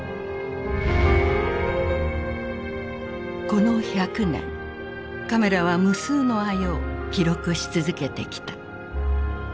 この１００年カメラは無数の愛を記録し続けてきた。